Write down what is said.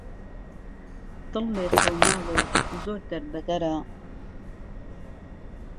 دڵ لێقەوماوه و زۆر دهر به دهره